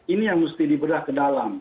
ini yang mesti dibedah ke dalam